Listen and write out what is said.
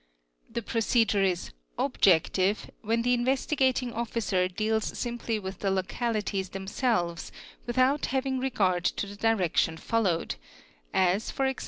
The procedure is '"'objective'' when the Investigating Officer deals ae with the localities themselves without having regard to the ection followed, as e.g.